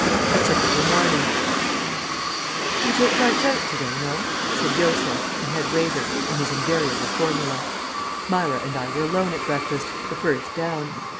A TYPICAL MORNING "You take lunch out to day no?" said Josef, the head waiter, in his invariable formula. Myra and I were alone at breakfast, the first down.